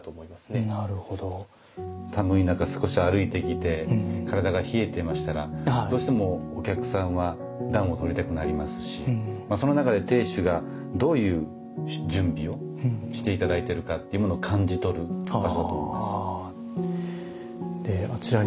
寒い中少し歩いてきて体が冷えていましたらどうしてもお客さんは暖を取りたくなりますしその中で亭主がどういう準備をして頂いているかっていうものを感じ取る場所だと思います。